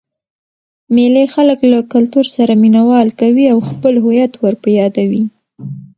مېلې خلک له کلتور سره مینه وال کوي او خپل هويت ور په يادوي.